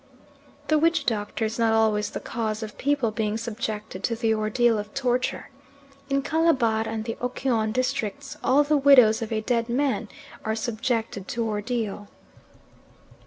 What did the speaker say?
The witch doctor is not always the cause of people being subjected to the ordeal or torture. In Calabar and the Okyon districts all the widows of a dead man are subjected to ordeal.